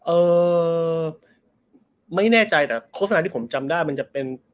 เอ่อไม่แน่ใจแต่โฆษณาที่ผมจำได้มันจะเป็น